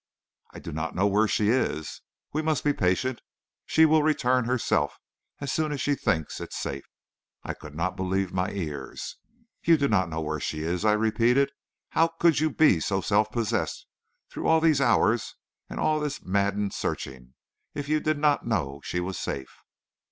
"'I do not know where she is. We must be patient. She will return herself as soon as she thinks it safe.' "I could not believe my ears. "'You do not know where she is?' I repeated. 'How could you be so self possessed through all these hours and all this maddened searching if you did not know she was safe?'